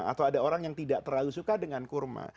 atau ada orang yang tidak terlalu suka dengan kurma